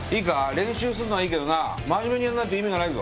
練習するのはいいけどな真面目にやらないと意味がないぞ。